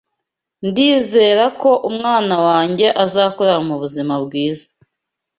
Ndizera ko umwana wanjye azakurira mu buzima bwiza